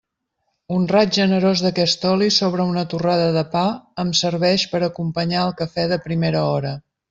Un raig generós d'aquest oli sobre una torrada de pa em serveix per a acompanyar el café de primera hora.